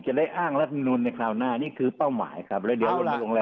จะได้อ้างลักษณุนในคราวหน้านี่คือเป้าหมายครับ